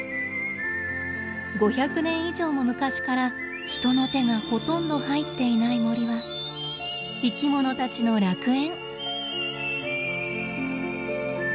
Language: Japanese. ５００年以上も昔から人の手がほとんど入っていない森は生きものたちの楽園。